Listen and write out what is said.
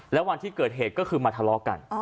แล้ววันที่เกิดเหตุก็คือมาทะเลาะกัน